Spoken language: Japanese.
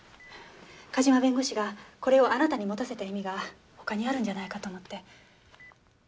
梶間弁護士がこれをあなたに持たせた意味が他にあるんじゃないかと思って。